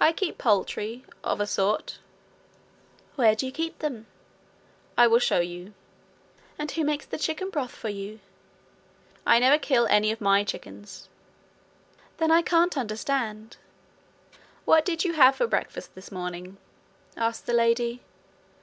'I keep poultry of a sort.' 'Where do you keep them?' 'I will show you.' 'And who makes the chicken broth for you?' 'I never kill any of MY chickens.' 'Then I can't understand.' 'What did you have for breakfast this morning?' asked the lady.